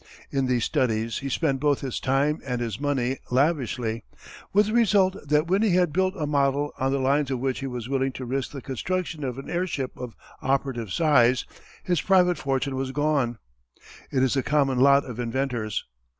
In these studies he spent both his time and his money lavishly, with the result that when he had built a model on the lines of which he was willing to risk the construction of an airship of operative size, his private fortune was gone. It is the common lot of inventors.